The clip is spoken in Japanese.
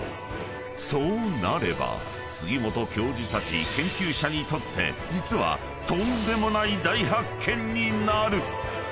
［そうなれば杉本教授たち研究者にとって実はとんでもない大発見になる！］